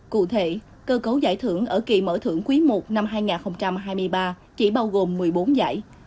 cụ thể cơ cấu giải thưởng ở kỳ mở thưởng quý i năm hai nghìn hai mươi ba chỉ bao gồm một mươi bốn giải